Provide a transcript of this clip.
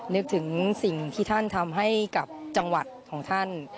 นึกถึงสิ่งที่ท่านทำให้กับจังหวัดของท่าน